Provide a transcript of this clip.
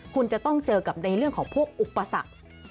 คุณจะต้องเจอกับในเรื่องของพวกอุปสรรค